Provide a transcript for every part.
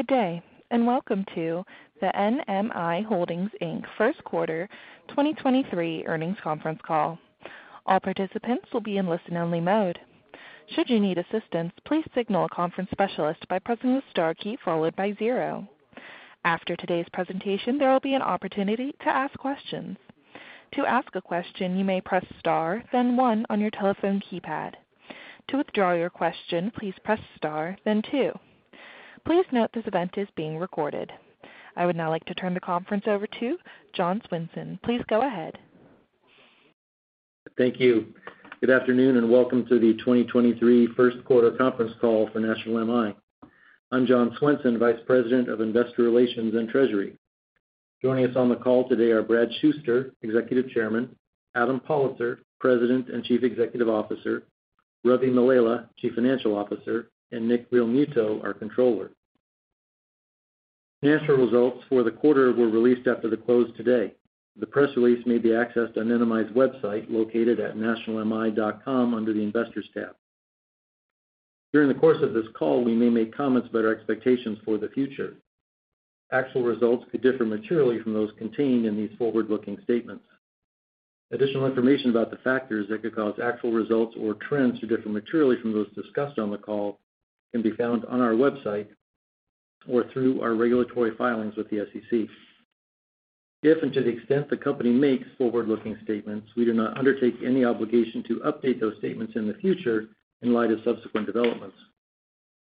Good day, welcome to the NMI Holdings, Inc. first quarter 2023 earnings conference call. All participants will be in listen-only mode. Should you need assistance, please signal a conference specialist by pressing the star key followed by zero. After today's presentation, there will be an opportunity to ask questions. To ask a question, you may press star, then one on your telephone keypad. To withdraw your question, please press star then two. Please note this event is being recorded. I would now like to turn the conference over to John Swenson. Please go ahead. Thank you. Good afternoon, welcome to the 2023 first-quarter conference call for National MI. I'm John Swenson, Vice President of Investor Relations and Treasury. Joining us on the call today are Brad Shuster, Executive Chairman, Adam Pollitzer, President and Chief Executive Officer, Ravi Mallela, Chief Financial Officer, and Nick Realmuto, our Controller. Financial results for the quarter were released after the close today. The press release may be accessed on NMI's website located at nationalmi.com under the Investors tab. During the course of this call, we may make comments about our expectations for the future. Actual results could differ materially from those contained in these forward-looking statements. Additional information about the factors that could cause actual results or trends to differ materially from those discussed on the call can be found on our website or through our regulatory filings with the SEC. If and to the extent the company makes forward-looking statements, we do not undertake any obligation to update those statements in the future in light of subsequent developments.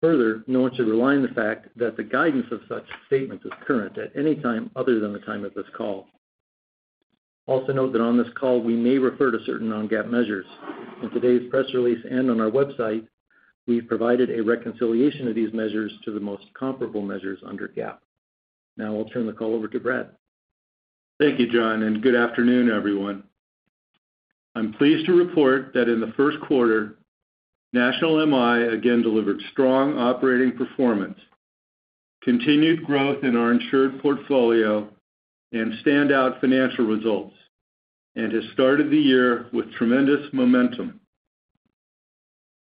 Further, no one should rely on the fact that the guidance of such statements is current at any time other than the time of this call. Also note that on this call, we may refer to certain non-GAAP measures. In today's press release and on our website, we've provided a reconciliation of these measures to the most comparable measures under GAAP. Now I'll turn the call over to Brad. Thank you, John, and good afternoon, everyone. I'm pleased to report that in the first quarter, National MI again delivered strong operating performance, continued growth in our insured portfolio, and standout financial results, and has started the year with tremendous momentum.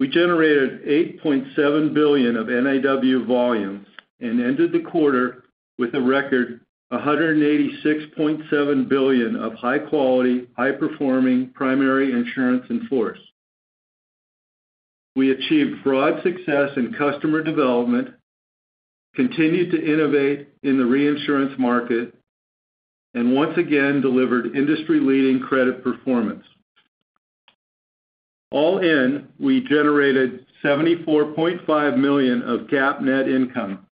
We generated $8.7 billion of NIW volume and ended the quarter with a record $186.7 billion of high-quality, high-performing primary insurance in force. We achieved broad success in customer development, continued to innovate in the reinsurance market, and once again, delivered industry-leading credit performance. All in, we generated $74.5 million of GAAP net income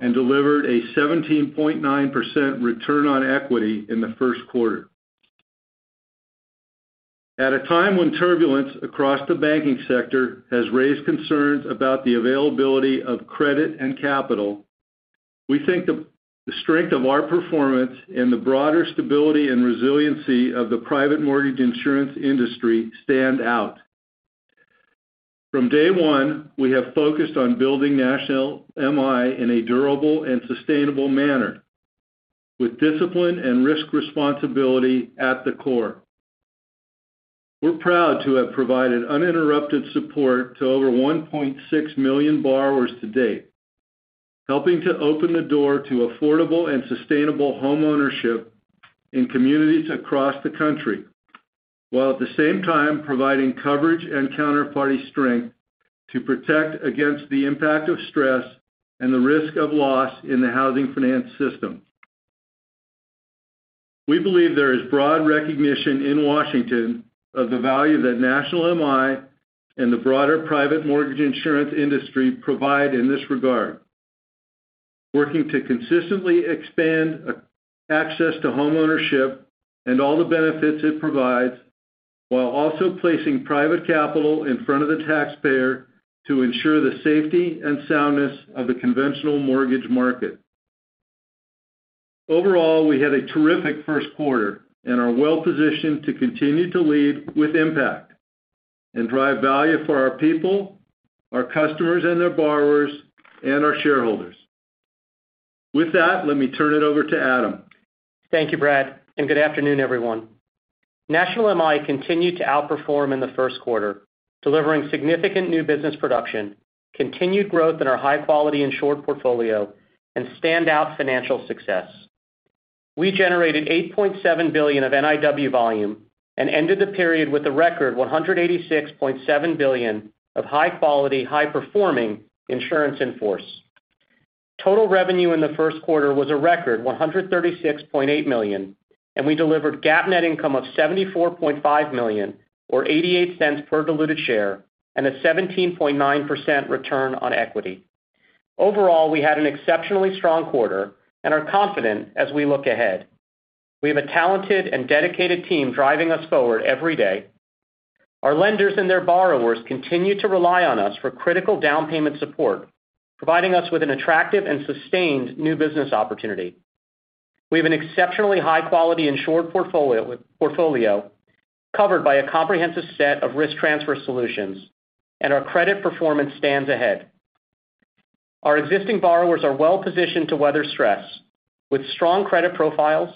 and delivered a 17.9% return on equity in the first quarter. At a time when turbulence across the banking sector has raised concerns about the availability of credit and capital, we think the strength of our performance and the broader stability and resiliency of the private mortgage insurance industry stand out. From day one, we have focused on building National MI in a durable and sustainable manner with discipline and risk responsibility at the core. We're proud to have provided uninterrupted support to over 1.6 million borrowers to date, helping to open the door to affordable and sustainable homeownership in communities across the country, while at the same time providing coverage and counterparty strength to protect against the impact of stress and the risk of loss in the housing finance system. We believe there is broad recognition in Washington of the value that National MI and the broader private mortgage insurance industry provide in this regard. Working to consistently expand access to homeownership and all the benefits it provides, while also placing private capital in front of the taxpayer to ensure the safety and soundness of the conventional mortgage market. We had a terrific first quarter and are well positioned to continue to lead with impact and drive value for our people, our customers and their borrowers, and our shareholders. Let me turn it over to Adam. Thank you, Brad. Good afternoon, everyone. National MI continued to outperform in the first quarter, delivering significant new business production, continued growth in our high-quality insured portfolio, and standout financial success. We generated $8.7 billion of NIW volume and ended the period with a record $186.7 billion of high-quality, high-performing insurance in force. Total revenue in the first quarter was a record $136.8 million, and we delivered GAAP net income of $74.5 million, or $0.88 per diluted share, and a 17.9% return on equity. Overall, we had an exceptionally strong quarter and are confident as we look ahead. We have a talented and dedicated team driving us forward every day. Our lenders and their borrowers continue to rely on us for critical down payment support, providing us with an attractive and sustained new business opportunity. We have an exceptionally high-quality insured portfolio covered by a comprehensive set of risk transfer solutions, and our credit performance stands ahead. Our existing borrowers are well-positioned to weather stress. With strong credit profiles,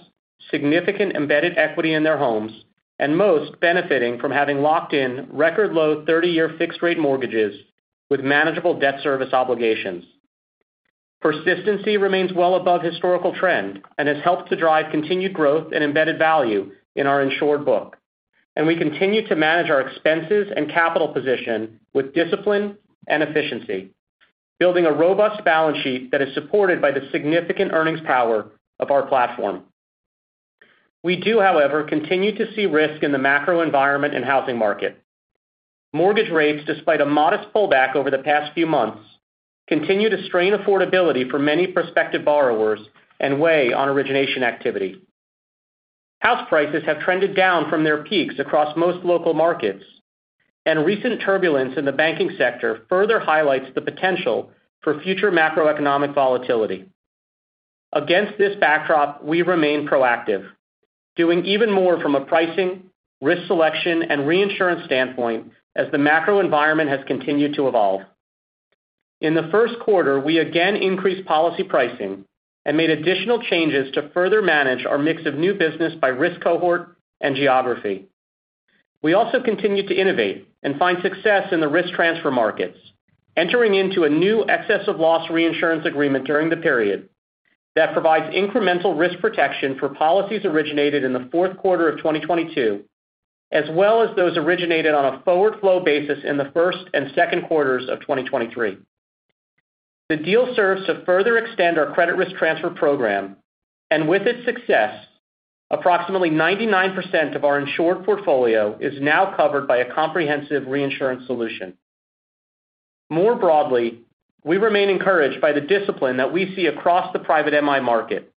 significant embedded equity in their homes, and most benefiting from having locked in record low 30-year fixed-rate mortgages with manageable debt service obligations. Persistency remains well above historical trend and has helped to drive continued growth and embedded value in our insured book. We continue to manage our expenses and capital position with discipline and efficiency, building a robust balance sheet that is supported by the significant earnings power of our platform. We do, however, continue to see risk in the macro environment and housing market. Mortgage rates, despite a modest pullback over the past few months, continue to strain affordability for many prospective borrowers and weigh on origination activity. House prices have trended down from their peaks across most local markets, and recent turbulence in the banking sector further highlights the potential for future macroeconomic volatility. Against this backdrop, we remain proactive, doing even more from a pricing, risk selection, and reinsurance standpoint as the macro environment has continued to evolve. In the first quarter, we again increased policy pricing and made additional changes to further manage our mix of new business by risk cohort and geography. We also continue to innovate and find success in the risk transfer markets, entering into a new excess of loss reinsurance agreement during the period that provides incremental risk protection for policies originated in the fourth quarter of 2022, as well as those originated on a forward flow basis in the first and second quarters of 2023. The deal serves to further extend our credit risk transfer program, and with its success, approximately 99% of our insured portfolio is now covered by a comprehensive reinsurance solution. More broadly, we remain encouraged by the discipline that we see across the private MI market.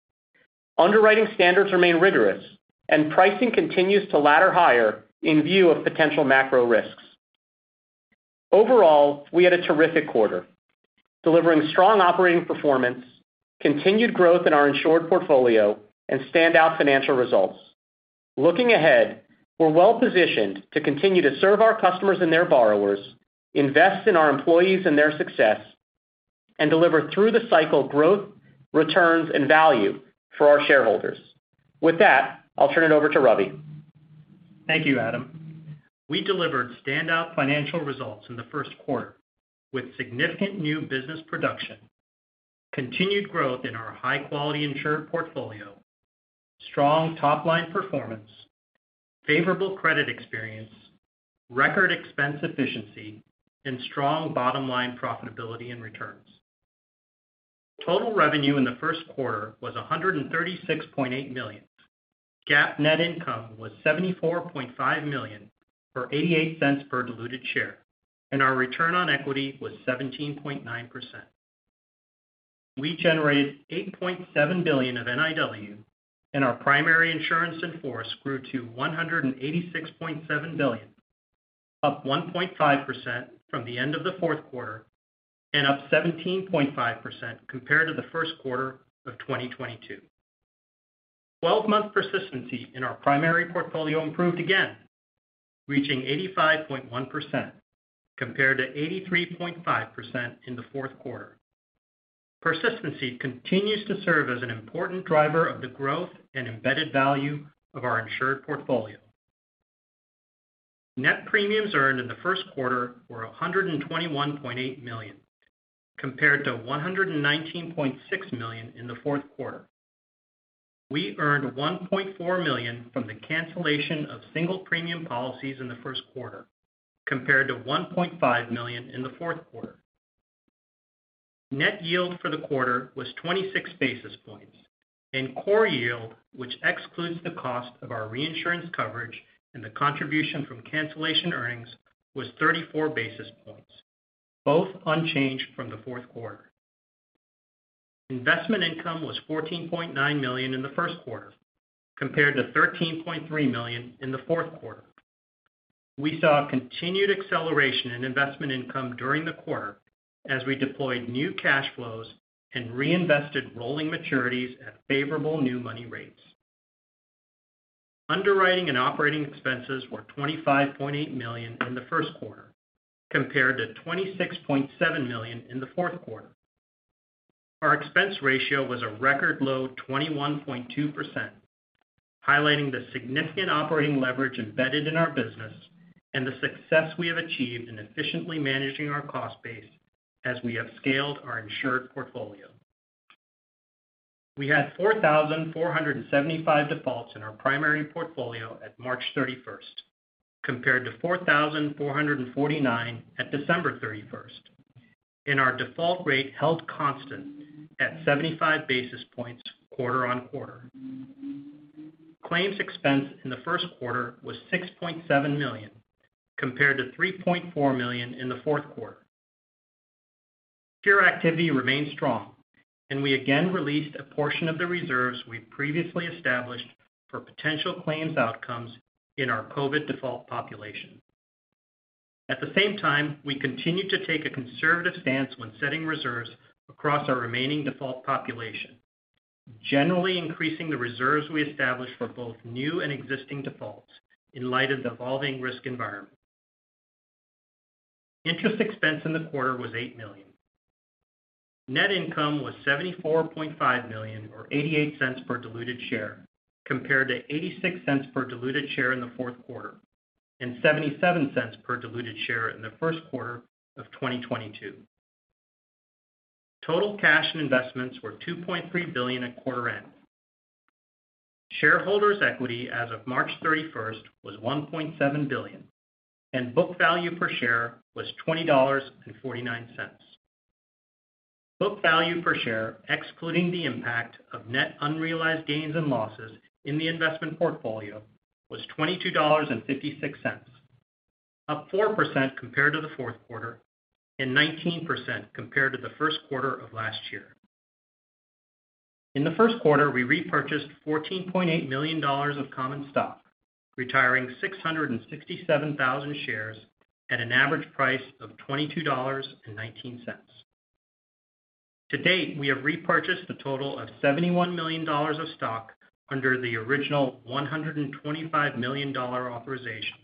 Underwriting standards remain rigorous and pricing continues to ladder higher in view of potential macro risks. Overall, we had a terrific quarter, delivering strong operating performance, continued growth in our insured portfolio and standout financial results. Looking ahead, we're well-positioned to continue to serve our customers and their borrowers, invest in our employees and their success, and deliver through the cycle growth, returns, and value for our shareholders. With that, I'll turn it over to Ravi. Thank you, Adam. We delivered standout financial results in the first quarter with significant new business production, continued growth in our high-quality insured portfolio, strong top-line performance, favorable credit experience, record expense efficiency, and strong bottom line profitability and returns. Total revenue in the first quarter was $136.8 million. GAAP net income was $74.5 million, or $0.88 per diluted share, and our return on equity was 17.9%. We generated $8.7 billion of NIW, and our primary insurance in force grew to $186.7 billion, up 1.5% from the end of the fourth quarter and up 17.5% compared to the first quarter of 2022. 12-month persistency in our primary portfolio improved again, reaching 85.1% compared to 83.5% in the fourth quarter. Persistency continues to serve as an important driver of the growth and embedded value of our insured portfolio. Net premiums earned in the first quarter were $121.8 million, compared to $119.6 million in the fourth quarter. We earned $1.4 million from the cancellation of single premium policies in the first quarter, compared to $1.5 million in the fourth quarter. Net yield for the quarter was 26 basis points, and core yield, which excludes the cost of our reinsurance coverage and the contribution from cancellation earnings, was 34 basis points, both unchanged from the fourth quarter. Investment income was $14.9 million in the first quarter, compared to $13.3 million in the fourth quarter. We saw a continued acceleration in investment income during the quarter as we deployed new cash flows and reinvested rolling maturities at favorable new money rates. Underwriting and operating expenses were $25.8 million in the first quarter, compared to $26.7 million in the fourth quarter. Our expense ratio was a record low 21.2%, highlighting the significant operating leverage embedded in our business and the success we have achieved in efficiently managing our cost base as we have scaled our insured portfolio. We had 4,475 defaults in our primary portfolio at March 31st, compared to 4,449 at December 31st, and our default rate held constant at 75 basis points quarter-on-quarter. Claims expense in the first quarter was $6.7 million, compared to $3.4 million in the fourth quarter. Cure activity remained strong, and we again released a portion of the reserves we previously established for potential claims outcomes in our COVID default population. At the same time, we continued to take a conservative stance when setting reserves across our remaining default population, generally increasing the reserves we established for both new and existing defaults in light of the evolving risk environment. Interest expense in the quarter was $8 million. Net income was $74.5 million or $0.88 per diluted share, compared to $0.86 per diluted share in the fourth quarter and $0.77 per diluted share in the first quarter of 2022. Total cash and investments were $2.3 billion at quarter end. Shareholders' equity as of March 31st was $1.7 billion, and book value per share was $20.49. Book value per share, excluding the impact of net unrealized gains and losses in the investment portfolio, was $22.56, up 4% compared to the fourth quarter and 19% compared to the first quarter of last year. In the first quarter, we repurchased $14.8 million of common stock, retiring 667,000 shares at an average price of $22.19. To date, we have repurchased a total of $71 million of stock under the original $125 million authorization,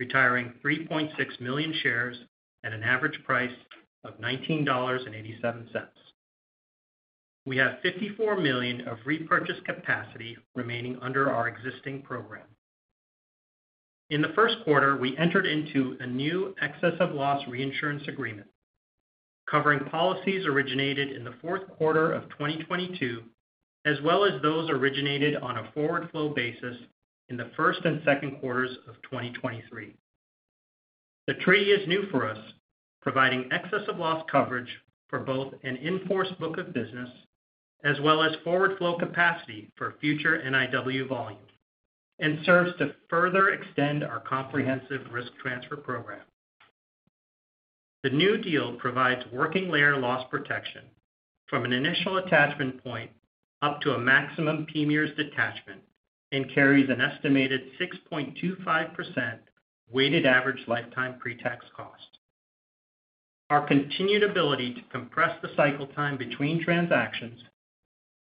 retiring 3.6 million shares at an average price of $19.87. We have $54 million of repurchase capacity remaining under our existing program. In the first quarter, we entered into a new excess of loss reinsurance agreement covering policies originated in the 4th quarter of 2022, as well as those originated on a forward flow basis in the 1st and 2nd quarters of 2023. The treaty is new for us, providing excess of loss coverage for both an in-force book of business as well as forward flow capacity for future NIW volume and serves to further extend our comprehensive risk transfer program. The new deal provides working layer loss protection from an initial attachment point up to a maximum PMIERs detachment and carries an estimated 6.25% weighted average lifetime pre-tax cost. Our continued ability to compress the cycle time between transactions,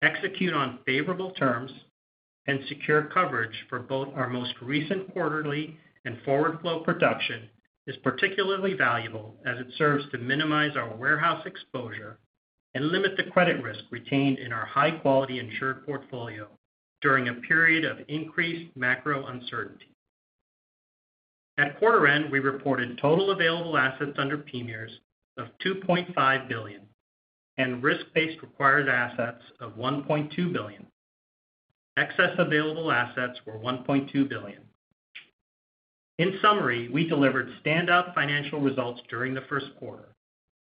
execute on favorable terms, and secure coverage for both our most recent quarterly and forward flow production is particularly valuable as it serves to minimize our warehouse exposure and limit the credit risk retained in our high-quality insured portfolio during a period of increased macro uncertainty. At quarter end, we reported total available assets under PMIERs of $2.5 billion and risk-based required assets of $1.2 billion. Excess available assets were $1.2 billion. We delivered stand-up financial results during the first quarter,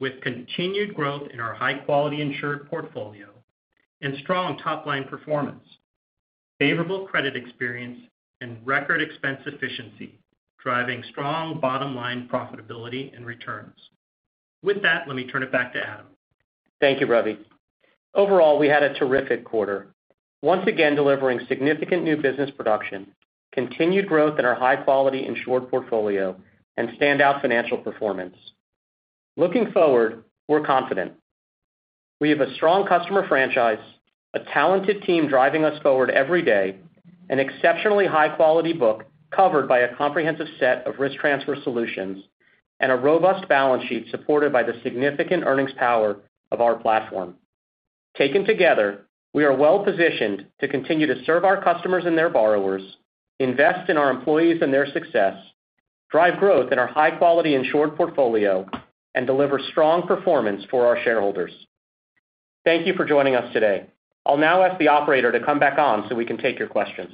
with continued growth in our high-quality insured portfolio and strong top-line performance, favorable credit experience, and record expense efficiency, driving strong bottom-line profitability and returns. Let me turn it back to Adam. Thank you, Ravi. Overall, we had a terrific quarter, once again delivering significant new business production, continued growth in our high-quality insured portfolio, and standout financial performance. Looking forward, we're confident. We have a strong customer franchise, a talented team driving us forward every day, an exceptionally high-quality book covered by a comprehensive set of risk transfer solutions, and a robust balance sheet supported by the significant earnings power of our platform. Taken together, we are well-positioned to continue to serve our customers and their borrowers, invest in our employees and their success, drive growth in our high-quality insured portfolio, and deliver strong performance for our shareholders. Thank you for joining us today. I'll now ask the operator to come back on so we can take your questions.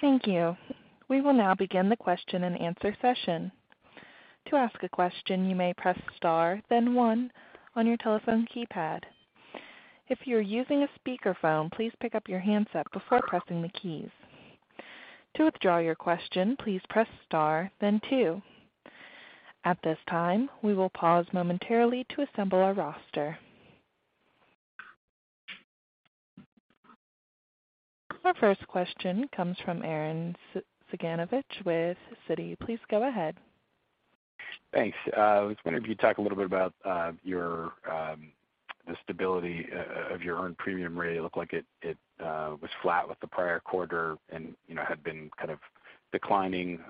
Thank you. We will now begin the question and answer session. To ask a question, you may press star then one on your telephone keypad. If you're using a speakerphone, please pick up your handset before pressing the keys. To withdraw your question, please press star then two. At this time, we will pause momentarily to assemble our roster. Our first question comes from Arren Cyganovich with Citi. Please go ahead. Thanks. I was wondering if you could talk a little bit about your the stability of your earned premium rate. It looked like it was flat with the prior quarter and, you know, had been kind of declining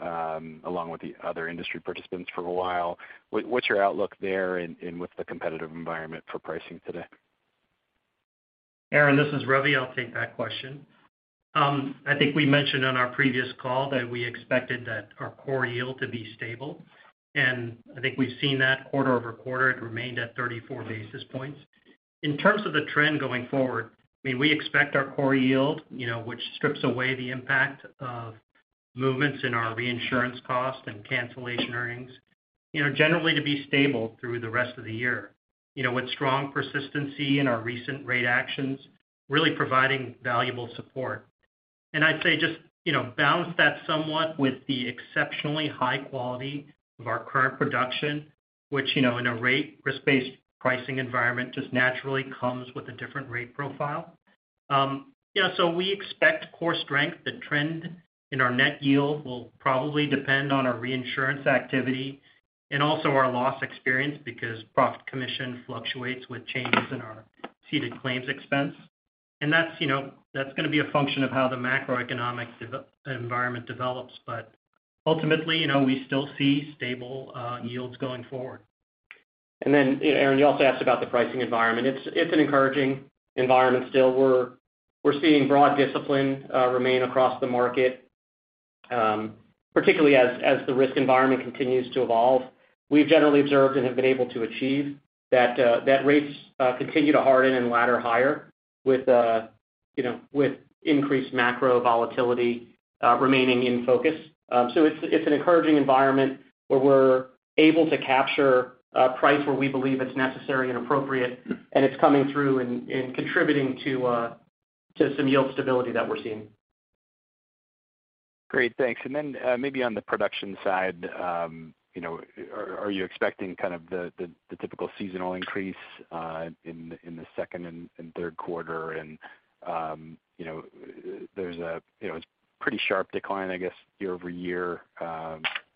along with the other industry participants for a while. What's your outlook there and with the competitive environment for pricing today? Arren, this is Ravi. I'll take that question. I think we mentioned on our previous call that we expected that our core yield to be stable, and I think we've seen that quarter-over-quarter. It remained at 34 basis points. In terms of the trend going forward, I mean, we expect our core yield, you know, which strips away the impact of movements in our reinsurance cost and cancellation earnings, you know, generally to be stable through the rest of the year. You know, with strong persistency in our recent rate actions, really providing valuable support. I'd say just, you know, balance that somewhat with the exceptionally high quality of our current production, which, you know, in a rate risk-based pricing environment just naturally comes with a different rate profile. Yeah, we expect core strength. The trend in our net yield will probably depend on our reinsurance activity and also our loss experience because profit commission fluctuates with changes in our ceded claims expense. That's, you know, that's gonna be a function of how the macroeconomic environment develops. Ultimately, you know, we still see stable yields going forward. Then, Arren, you also asked about the pricing environment. It's an encouraging environment still. We're seeing broad discipline remain across the market, particularly as the risk environment continues to evolve. We've generally observed and have been able to achieve that rates continue to harden and ladder higher with, you know, with increased macro volatility remaining in focus. It's an encouraging environment where we're able to capture price where we believe it's necessary and appropriate, and it's coming through and contributing to some yield stability that we're seeing. Great. Thanks. Maybe on the production side, you know, are you expecting kind of the typical seasonal increase in the second and third quarter? You know, there's a, you know, pretty sharp decline, I guess, year-over-year,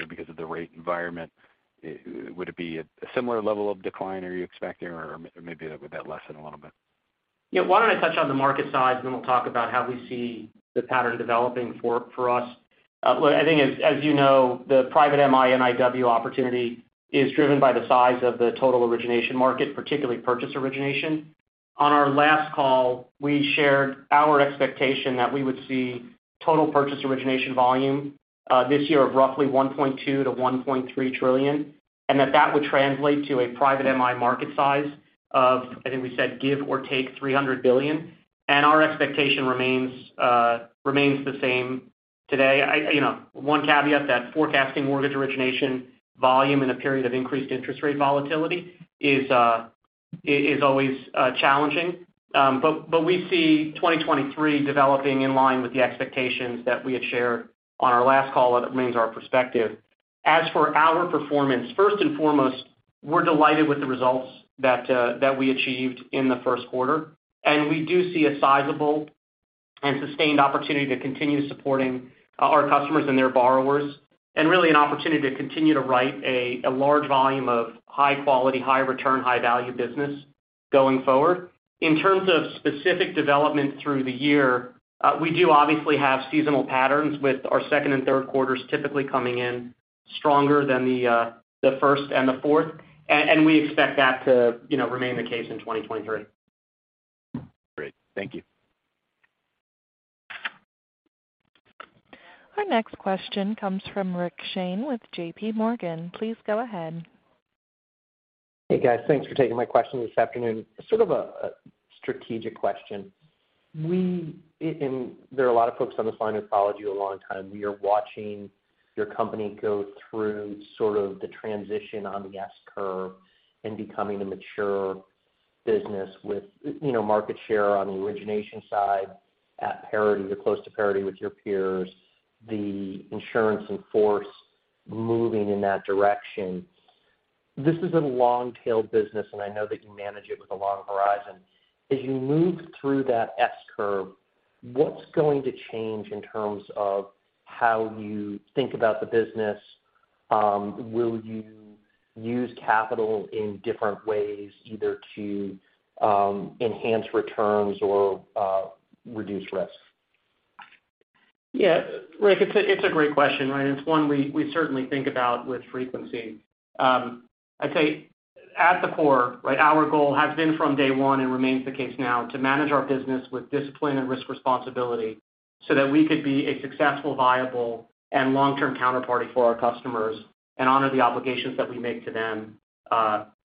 because of the rate environment. Would it be a similar level of decline are you expecting or maybe would that lessen a little bit? Yeah. Why don't I touch on the market side, and then we'll talk about how we see the pattern developing for us. Look, I think as you know, the private MI NIW opportunity is driven by the size of the total origination market, particularly purchase origination. On our last call, we shared our expectation that we would see total purchase origination volume this year of roughly $1.2 trillion-$1.3 trillion, and that that would translate to a private MI market size of, I think we said give or take $300 billion. Our expectation remains the same today. You know, one caveat that forecasting mortgage origination volume in a period of increased interest rate volatility is always challenging. We see 2023 developing in line with the expectations that we had shared on our last call. That remains our perspective. As for our performance, first and foremost, we're delighted with the results that we achieved in the first quarter, and we do see a sizable and sustained opportunity to continue supporting our customers and their borrowers, and really an opportunity to continue to write a large volume of high quality, high return, high value business going forward. In terms of specific development through the year, we do obviously have seasonal patterns with our second and third quarters typically coming in stronger than the first and the fourth, and we expect that to, you know, remain the case in 2023. Great. Thank you. Our next question comes from Rick Shane with JPMorgan. Please go ahead. Hey, guys. Thanks for taking my question this afternoon. Sort of a strategic question. There are a lot of folks on this line who've followed you a long time. We are watching your company go through sort of the transition on the S curve and becoming a mature business with, you know, market share on the origination side at parity to close to parity with your peers, the insurance in force moving in that direction. This is a long-tailed business, and I know that you manage it with a long horizon. As you move through that S curve, what's going to change in terms of how you think about the business? Will you use capital in different ways either to enhance returns or reduce risk? Yeah. Rick, it's a, it's a great question, right? It's one we certainly think about with frequency. I'd say at the core, right, our goal has been from day one and remains the case now to manage our business with discipline and risk responsibility so that we could be a successful, viable, and long-term counterparty for our customers and honor the obligations that we make to them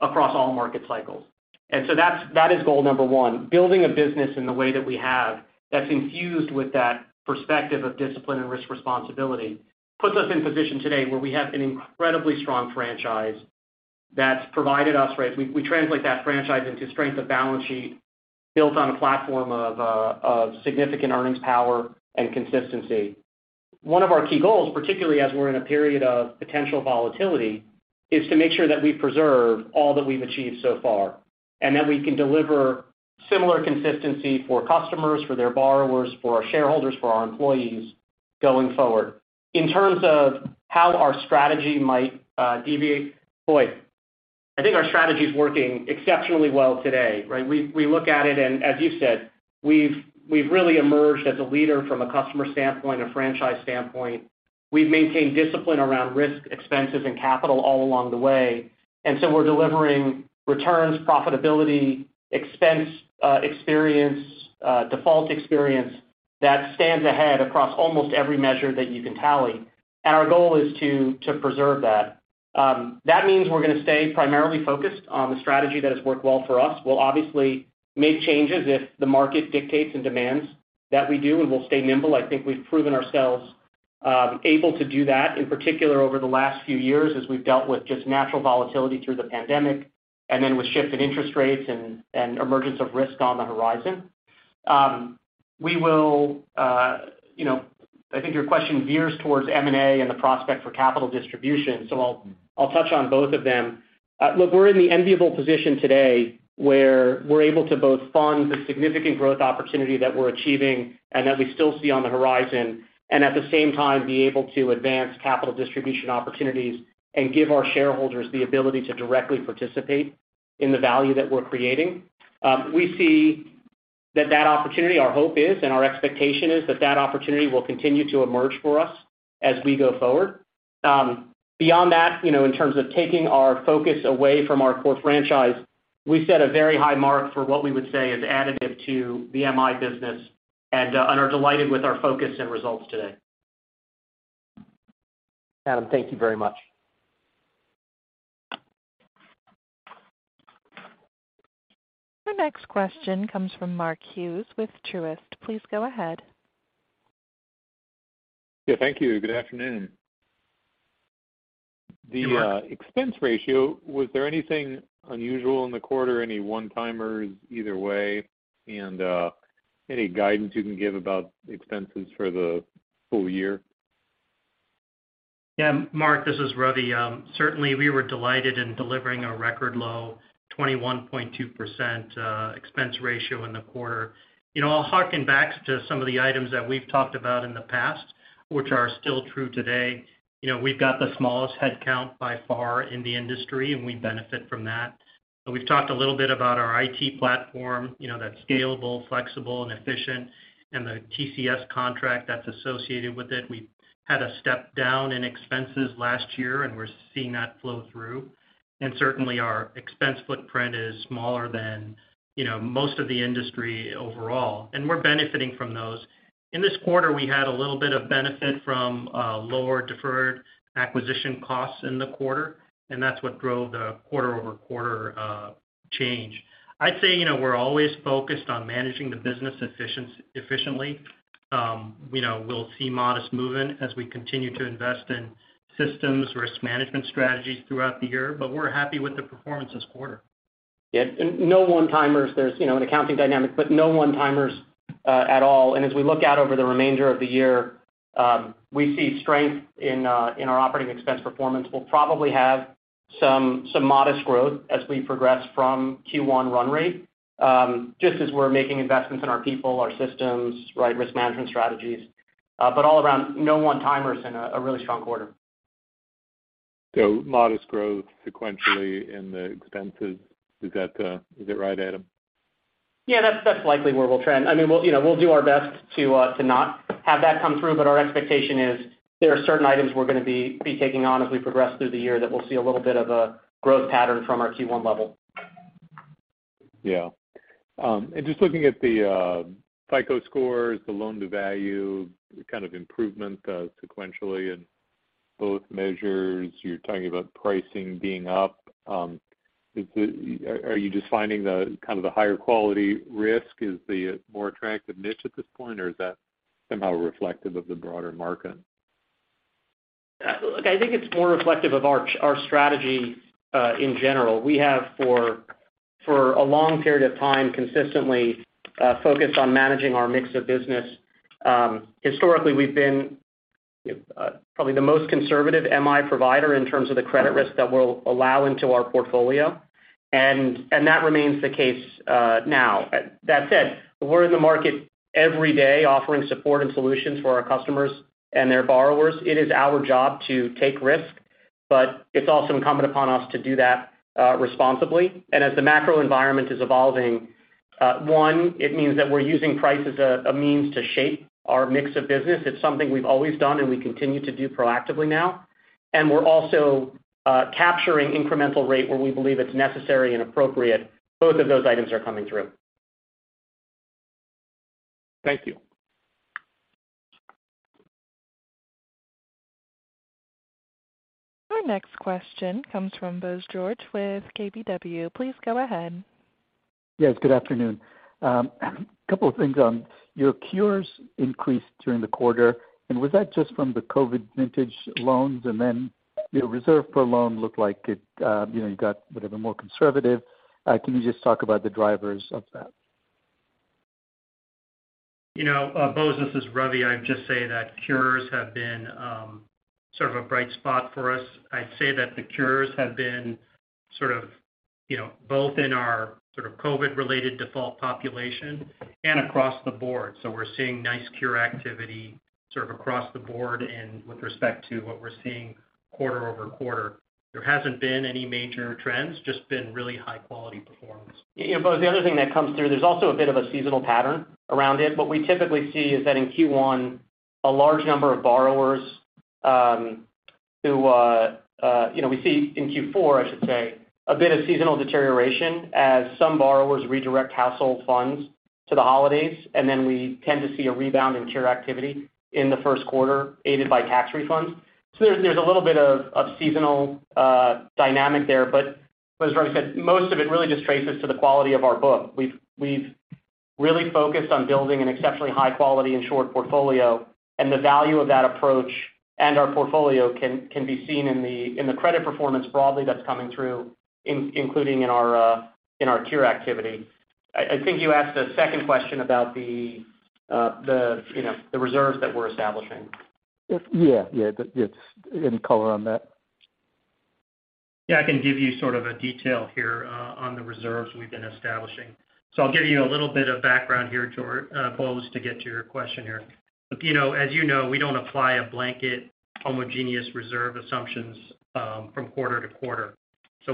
across all market cycles. That is goal number one. Building a business in the way that we have that's infused with that perspective of discipline and risk responsibility puts us in position today where we have an incredibly strong franchise that's provided us, right. We translate that franchise into strength of balance sheet built on a platform of significant earnings power and consistency. One of our key goals, particularly as we're in a period of potential volatility, is to make sure that we preserve all that we've achieved so far, and that we can deliver similar consistency for customers, for their borrowers, for our shareholders, for our employees going forward. In terms of how our strategy might deviate, boy, I think our strategy is working exceptionally well today, right? We look at it, as you said, we've really emerged as a leader from a customer standpoint, a franchise standpoint. We've maintained discipline around risk, expenses, and capital all along the way. We're delivering returns, profitability, expense experience, default experience that stands ahead across almost every measure that you can tally. Our goal is to preserve that. That means we're gonna stay primarily focused on the strategy that has worked well for us. We'll obviously make changes if the market dictates and demands that we do. We'll stay nimble. I think we've proven ourselves able to do that, in particular over the last few years as we've dealt with just natural volatility through the pandemic with shift in interest rates and emergence of risk on the horizon. We will, you know, I think your question veers towards M&A and the prospect for capital distribution, so I'll touch on both of them. Look, we're in the enviable position today where we're able to both fund the significant growth opportunity that we're achieving and that we still see on the horizon at the same time be able to advance capital distribution opportunities and give our shareholders the ability to directly participate in the value that we're creating. we see that opportunity, our hope is and our expectation is that that opportunity will continue to emerge for us as we go forward. beyond that, you know, in terms of taking our focus away from our core franchise, we set a very high mark for what we would say is additive to the MI business and are delighted with our focus and results today. Adam, thank you very much. The next question comes from Mark Hughes with Truist. Please go ahead. Yeah, thank you. Good afternoon. Good morning. The expense ratio, was there anything unusual in the quarter, any one-timers either way, and any guidance you can give about expenses for the full year? Yeah, Mark, this is Ravi. Certainly, we were delighted in delivering a record low 21.2% expense ratio in the quarter. You know, I'll harken back to some of the items that we've talked about in the past, which are still true today. You know, we've got the smallest headcount by far in the industry, and we benefit from that. We've talked a little bit about our IT platform, you know, that's scalable, flexible and efficient, and the TCS contract that's associated with it. We had a step down in expenses last year, and we're seeing that flow through. Certainly our expense footprint is smaller than, you know, most of the industry overall, and we're benefiting from those. In this quarter, we had a little bit of benefit from lower deferred acquisition costs in the quarter, and that's what drove the quarter-over-quarter change. I'd say, you know, we're always focused on managing the business efficiently. You know, we'll see modest movement as we continue to invest in systems, risk management strategies throughout the year, but we're happy with the performance this quarter. Yeah. No one-timers. There's, you know, an accounting dynamic, but no one-timers at all. As we look out over the remainder of the year, we see strength in our operating expense performance. We'll probably have some modest growth as we progress from Q1 run rate, just as we're making investments in our people, our systems, right risk management strategies. All around no one-timers in a really strong quarter. modest growth sequentially in the expenses. Is that, is it right, Adam? Yeah, that's likely where we'll trend. I mean, we'll, you know, we'll do our best to not have that come through, but our expectation is there are certain items we're gonna be taking on as we progress through the year that we'll see a little bit of a growth pattern from our Q1 level. Yeah. Just looking at the FICO scores, the loan-to-value kind of improvement sequentially in both measures, you're talking about pricing being up. Are you just finding the kind of the higher quality risk is the more attractive niche at this point, or is that somehow reflective of the broader market? Look, I think it's more reflective of our strategy in general. We have for a long period of time consistently focused on managing our mix of business. Historically, we've been probably the most conservative MI provider in terms of the credit risk that we'll allow into our portfolio, and that remains the case now. That said, we're in the market every day offering support and solutions for our customers and their borrowers. It is our job to take risk, but it's also incumbent upon us to do that responsibly. As the macro environment is evolving, one, it means that we're using price as a means to shape our mix of business. It's something we've always done, and we continue to do proactively now. We're also capturing incremental rate where we believe it's necessary and appropriate. Both of those items are coming through. Thank you. Our next question comes from Bose with KBW. Please go ahead. Yes, good afternoon. Couple of things. Your cures increased during the quarter, and was that just from the COVID vintage loans? Your reserve per loan looked like it, you know, you got, whatever, more conservative. Can you just talk about the drivers of that? You know, Bose, this is Ravi. I'd just say that cures have been sort of a bright spot for us. I'd say that the cures have been sort of, you know, both in our sort of COVID-related default population and across the board. We're seeing nice cure activity sort of across the board and with respect to what we're seeing quarter-over-quarter. There hasn't been any major trends, just been really high-quality performance. Bose, the other thing that comes through, there's also a bit of a seasonal pattern around it. What we typically see is that in Q1, a large number of borrowers, who, you know, we see in Q4, I should say, a bit of seasonal deterioration as some borrowers redirect household funds to the holidays, and then we tend to see a rebound in cure activity in the first quarter, aided by tax refunds. There's a little bit of seasonal, dynamic there, but as Ravi said, most of it really just traces to the quality of our book. We've really focused on building an exceptionally high quality insured portfolio, and the value of that approach and our portfolio can be seen in the, in the credit performance broadly that's coming through including in our, in our cure activity. I think you asked a second question about the, you know, the reserves that we're establishing. Yeah. Yeah. Yes. Any color on that? Yeah, I can give you sort of a detail here on the reserves we've been establishing. I'll give you a little bit of background here, Bose George, to get to your question here. You know, as you know, we don't apply a blanket homogeneous reserve assumptions from quarter to quarter.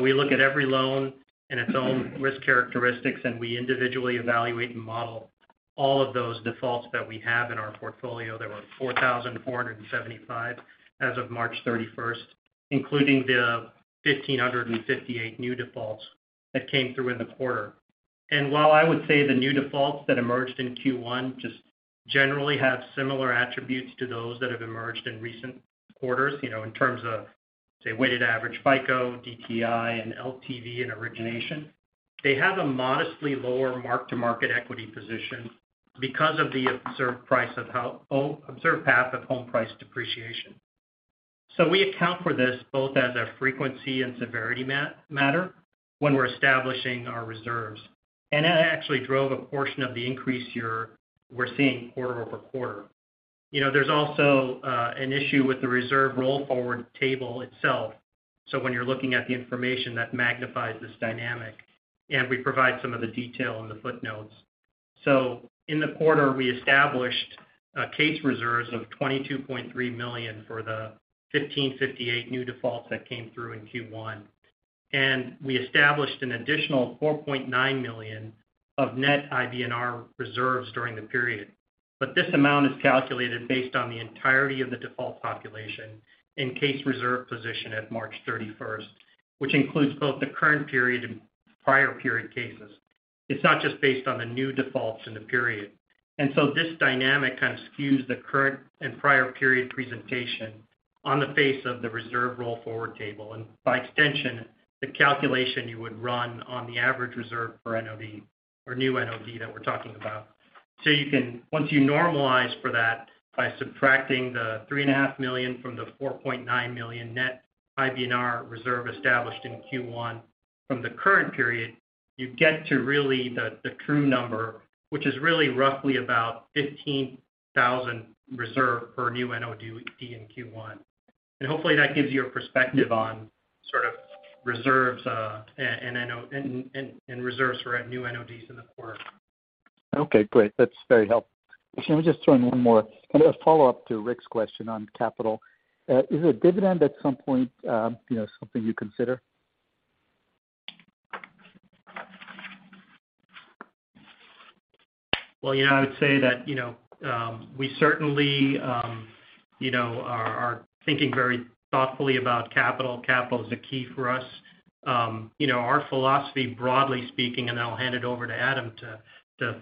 We look at every loan and its own risk characteristics, and we individually evaluate and model all of those defaults that we have in our portfolio. There were 4,475 as of March 31st, including the 1,558 new defaults that came through in the quarter. While I would say the new defaults that emerged in Q1 just generally have similar attributes to those that have emerged in recent quarters, you know, in terms of, say, weighted average FICO, DTI, and LTV, and origination. They have a modestly lower mark-to-market equity position because of the observed path of home price depreciation. We account for this both as a frequency and severity matter when we're establishing our reserves. That actually drove a portion of the increase we're seeing quarter-over-quarter. You know, there's also an issue with the reserve roll forward table itself. When you're looking at the information that magnifies this dynamic, and we provide some of the detail in the footnotes. In the quarter, we established case reserves of $22.3 million for the 1,558 new defaults that came through in Q1. We established an additional $4.9 million of net IBNR reserves during the period. This amount is calculated based on the entirety of the default population in case reserve position at March 31st, which includes both the current period and prior period cases. It's not just based on the new defaults in the period. This dynamic kind of skews the current and prior period presentation on the face of the reserve roll forward table, and by extension, the calculation you would run on the average reserve for NOD or new NOD that we're talking about. Once you normalize for that by subtracting the $3.5 million from the $4.9 million net IBNR reserve established in Q1 from the current period, you get to really the true number, which is really roughly about $15,000 reserve per new NOD in Q1. Hopefully, that gives you a perspective on sort of reserves, and reserves for new NODs in the quarter. Okay, great. That's very helpful. Let me just throw in one more. A follow-up to Rick's question on capital. Is a dividend at some point, you know, something you consider? Well, you know, I would say that, you know, we certainly, you know, are thinking very thoughtfully about capital. Capital is a key for us. You know, our philosophy, broadly speaking, and then I'll hand it over to Adam to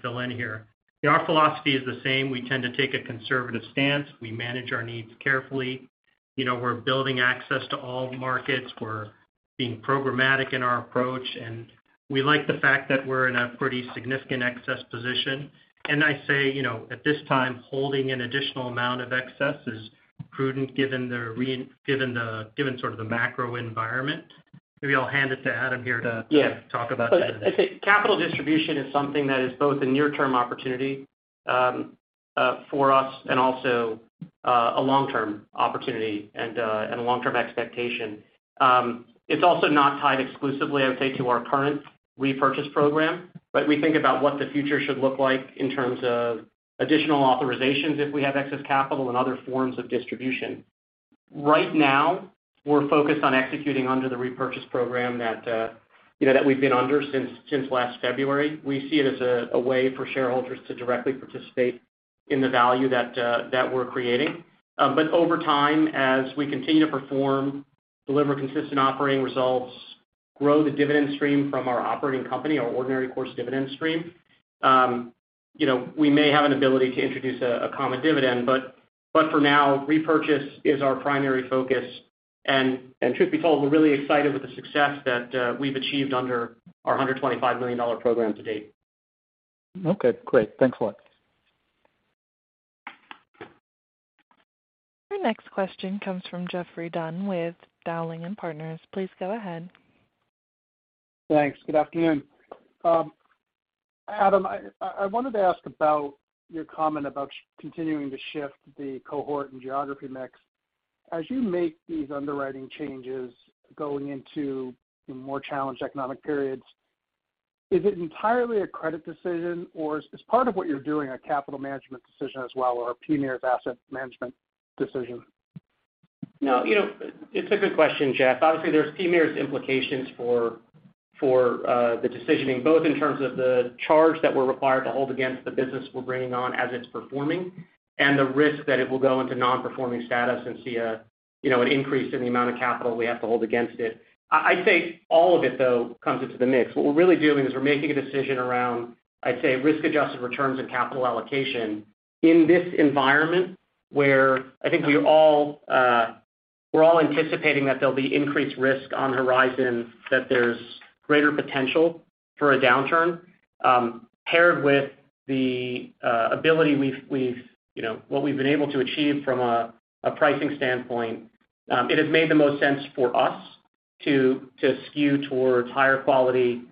fill in here. Our philosophy is the same. We tend to take a conservative stance. We manage our needs carefully. You know, we're building access to all markets. We're being programmatic in our approach, and we like the fact that we're in a pretty significant excess position. I say, you know, at this time, holding an additional amount of excess is prudent given the sort of the macro environment. Maybe I'll hand it to Adam here. Yes. talk about that. I think capital distribution is something that is both a near-term opportunity for us and also a long-term opportunity and long-term expectation. It's also not tied exclusively, I would say, to our current repurchase program, but we think about what the future should look like in terms of additional authorizations if we have excess capital and other forms of distribution. Right now, we're focused on executing under the repurchase program that, you know, that we've been under since last February. We see it as a way for shareholders to directly participate in the value that we're creating. Over time, as we continue to perform, deliver consistent operating results, grow the dividend stream from our operating company, our ordinary course dividend stream, you know, we may have an ability to introduce a common dividend. For now, repurchase is our primary focus. Truth be told, we're really excited with the success that we've achieved under our $125 million program to date. Okay, great. Thanks a lot. Your next question comes from Geoffrey Dunn with Dowling & Partners. Please go ahead. Thanks. Good afternoon. Adam, I wanted to ask about your comment about continuing to shift the cohort and geography mix. As you make these underwriting changes going into more challenged economic periods, is it entirely a credit decision, or is part of what you're doing a capital management decision as well, or a PMIERs asset management decision? You know, it's a good question, Geof. Obviously, there's PMIERs implications for the decisioning, both in terms of the charge that we're required to hold against the business we're bringing on as it's performing and the risk that it will go into non-performing status and see a, you know, an increase in the amount of capital we have to hold against it. I'd say all of it, though, comes into the mix. What we're really doing is we're making a decision around, I'd say, risk-adjusted returns and capital allocation in this environment where I think we're all, we're all anticipating that there'll be increased risk on horizon, that there's greater potential for a downturn, paired with the ability we've, you know, what we've been able to achieve from a pricing standpoint. It has made the most sense for us to skew towards higher quality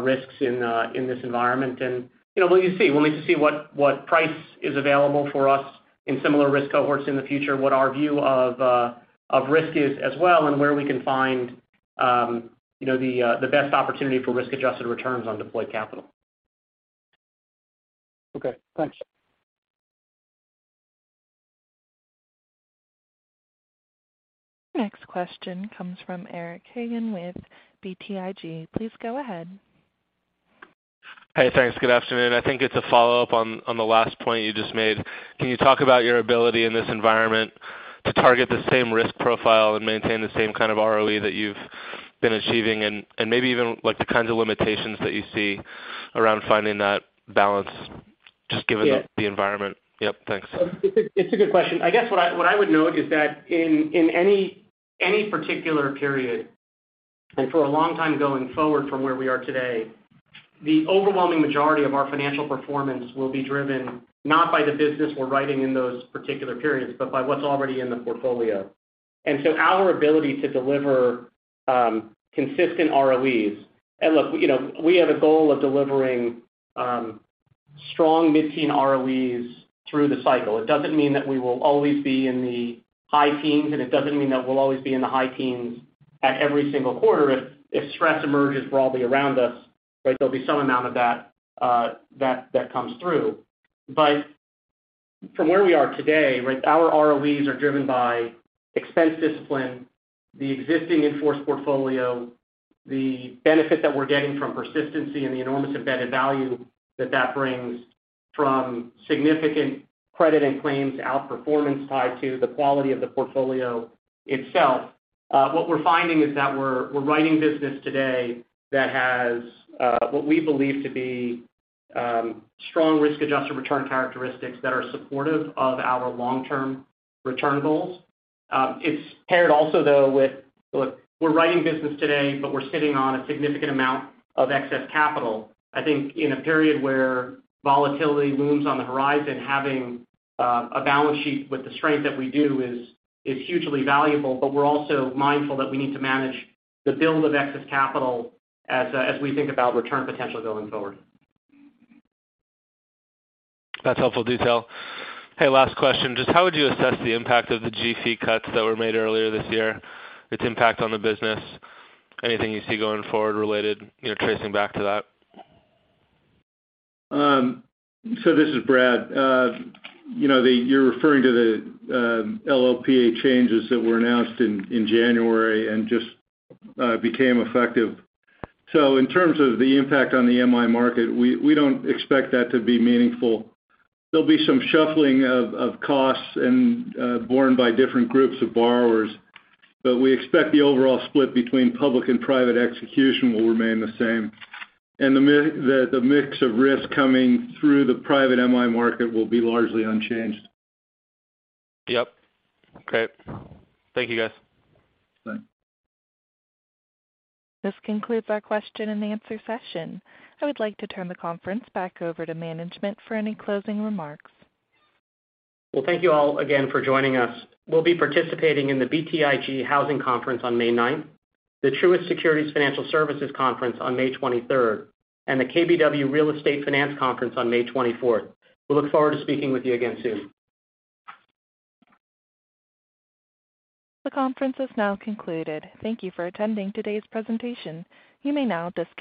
risks in this environment. You know, we'll see. We'll need to see what price is available for us in similar risk cohorts in the future, what our view of risk is as well, and where we can find, you know, the best opportunity for risk-adjusted returns on deployed capital. Okay. Thanks. Next question comes from Eric Hagen with BTIG. Please go ahead. Hey, thanks. Good afternoon. I think it's a follow-up on the last point you just made. Can you talk about your ability in this environment to target the same risk profile and maintain the same kind of ROE that you've been achieving and maybe even like the kinds of limitations that you see around finding that balance, just given... Yeah. the environment? Yep. Thanks. It's a good question. I guess what I would note is that in any particular period, and for a long time going forward from where we are today, the overwhelming majority of our financial performance will be driven not by the business we're writing in those particular periods, but by what's already in the portfolio. Our ability to deliver consistent ROEs. Look, you know, we have a goal of delivering strong mid-teen ROEs through the cycle. It doesn't mean that we will always be in the high teens, and it doesn't mean that we'll always be in the high teens at every single quarter. If stress emerges broadly around us, right, there'll be some amount of that comes through. From where we are today, right, our ROEs are driven by expense discipline, the existing in-force portfolio, the benefit that we're getting from persistency and the enormous embedded value that brings from significant credit and claims outperformance tied to the quality of the portfolio itself. What we're finding is that we're writing business today that has what we believe to be strong risk-adjusted return characteristics that are supportive of our long-term return goals. It's paired also, though, with, look, we're writing business today, but we're sitting on a significant amount of excess capital. I think in a period where volatility looms on the horizon, having a balance sheet with the strength that we do is hugely valuable, but we're also mindful that we need to manage the build of excess capital as we think about return potential going forward. That's helpful detail. Hey, last question. Just how would you assess the impact of the GSE cuts that were made earlier this year, its impact on the business? Anything you see going forward related, you know, tracing back to that? This is Brad. You know, you're referring to the LLPA changes that were announced in January and just became effective. In terms of the impact on the MI market, we don't expect that to be meaningful. There'll be some shuffling of costs and borne by different groups of borrowers, but we expect the overall split between public and private execution will remain the same. The mix of risk coming through the private MI market will be largely unchanged. Yep. Okay. Thank you, guys. Bye. This concludes our question and answer session. I would like to turn the conference back over to management for any closing remarks. Well, thank you all again for joining us. We'll be participating in the BTIG Housing Conference on May ninth, the Truist Securities Financial Services Conference on May 23rd, and the KBW Real Estate Finance Conference on May 24th. We look forward to speaking with you again soon. The conference has now concluded. Thank you for attending today's presentation. You may now disconnect.